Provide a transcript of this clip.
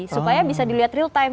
supaya bisa dilihat real time